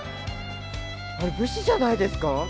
あれ武士じゃないですか？